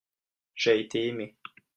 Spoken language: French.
j'ai été aimé.